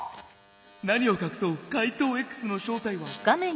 「何をかくそう怪盗Ｘの正体は」。